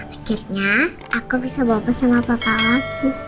akhirnya aku bisa bapak sama papa lagi